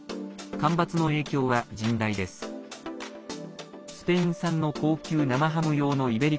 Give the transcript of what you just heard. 干ばつの影響は甚大です。